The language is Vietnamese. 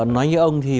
nói như ông thì